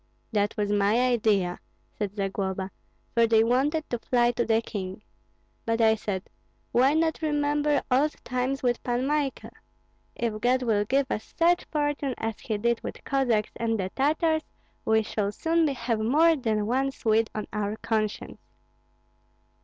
"That was my idea," said Zagloba; "for they wanted to fly to the king. But I said, 'Why not remember old times with Pan Michael? If God will give us such fortune as he did with Cossacks and the Tartars, we shall soon have more than one Swede on our conscience.'"